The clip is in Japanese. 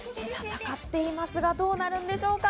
戦っていますが、どうなるんでしょうか。